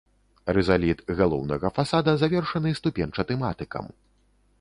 Рызаліт галоўнага фасада завершаны ступеньчатым атыкам.